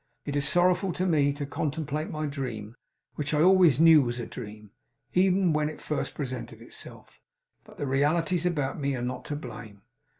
It is sorrowful to me to contemplate my dream which I always knew was a dream, even when it first presented itself; but the realities about me are not to blame.